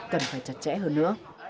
cần phải chặt chẽ hơn nữa